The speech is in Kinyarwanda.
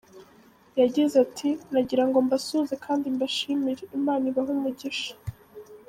Yagize ati”Nagira ngo mbasuhuze kandi mbashimire, Imana ibahe umugisha.